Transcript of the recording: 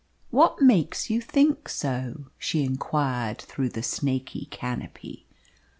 "What makes you think so?" she inquired through the snaky canopy.